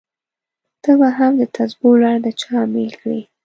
ته به هم دتسبو لړ د چا امېل کړې!